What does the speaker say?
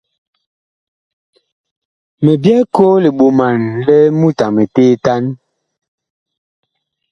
Mi byɛɛ koo li ɓoman li mut a miteetan.